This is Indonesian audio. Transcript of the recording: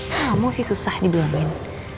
kamu sih susah dibilang bilang